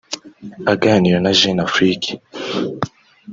Aganira na Jeune Afrique